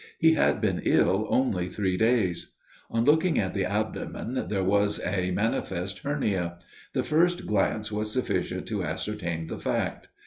He had been ill only three days. On looking at the abdomen, there was a manifest hernia: the first glance was sufficient to ascertain the fact.